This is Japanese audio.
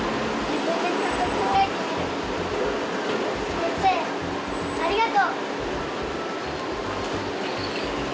先生ありがとう。